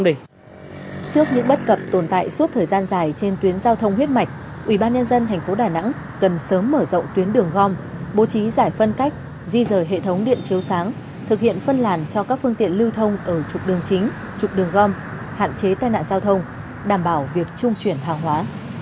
trước những bất cập tồn tại suốt thời gian dài trên tuyến giao thông huyết mạch ubnd tp đà nẵng cần sớm mở rộng tuyến đường gom bố trí giải phân cách di rời hệ thống điện chiếu sáng thực hiện phân làn cho các phương tiện lưu thông ở trục đường chính trục đường gom hạn chế tai nạn giao thông đảm bảo việc trung chuyển hàng hóa